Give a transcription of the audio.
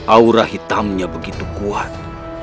aura hitamnya begitu kuat